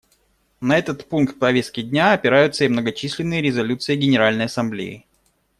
На этот пункт повестки дня опираются и многочисленные резолюции Генеральной Ассамблеи.